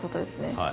はい。